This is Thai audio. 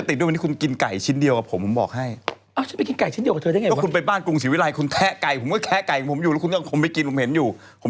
ตอนนี้ผมปวดตัวปวดแคนปวดไปหมดเลยอะ